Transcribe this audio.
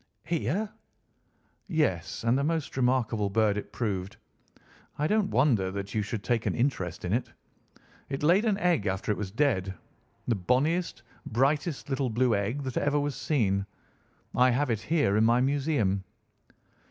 "Here?" "Yes, and a most remarkable bird it proved. I don't wonder that you should take an interest in it. It laid an egg after it was dead—the bonniest, brightest little blue egg that ever was seen. I have it here in my museum."